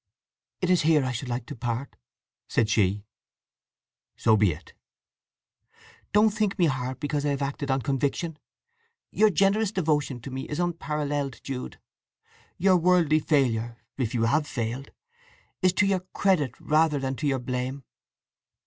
"It is here—I should like to part," said she. "So be it!" "Don't think me hard because I have acted on conviction. Your generous devotion to me is unparalleled, Jude! Your worldly failure, if you have failed, is to your credit rather than to your blame.